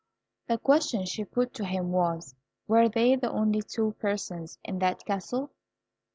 The question she put to him was, "Were they the only two persons in that castle?"